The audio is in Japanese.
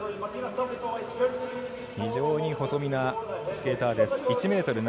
非常に細身なスケーターです。